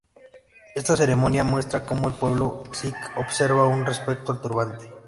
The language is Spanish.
Esta ceremonia muestra cómo el pueblo sikh observa con respeto al turbante.